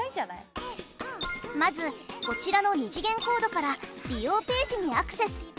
まずこちらの２次元コードから利用ページにアクセス。